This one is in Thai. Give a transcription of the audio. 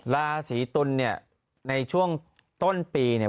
ลาศรีตุลในช่วงต้นปีเนี่ย